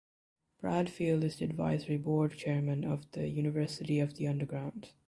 Bradfield is the Advisory Board chairman of the University of the Underground.